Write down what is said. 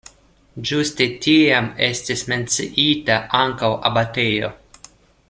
Ĝuste tiam estis menciita ankaŭ abatejo.